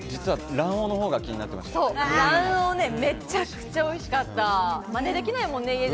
卵黄めちゃくちゃおいしかった。